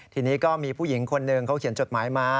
ทีนี้ก็มีผู้หญิงคนหนึ่งเขาเขียนจดหมายมา